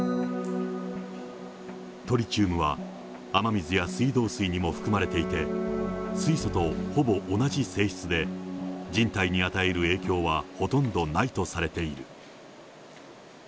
トリチウムは、雨水や水道水にも含まれていて、水素とほぼ同じ性質で、人体に与える影響はほとんどないとされている。